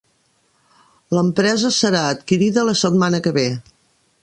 L'empresa serà adquirida la setmana que ve.